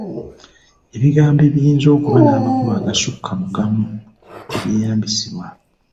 Ebigambo ebiyinza okuba n’amakulu agasukka mu gamu tebyeyambisibwa.